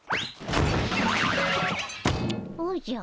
おじゃ。